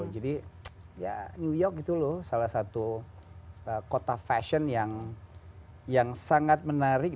jadi ya new york itu loh salah satu kota fashion yang sangat menarik